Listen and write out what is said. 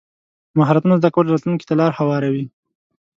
مهارتونه زده کول راتلونکي ته لار هواروي.